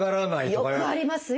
よくありますよ。